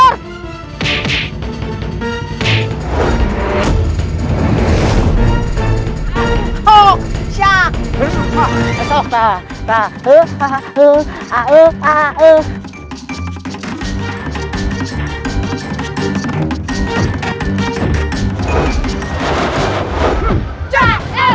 pertama yang siap biro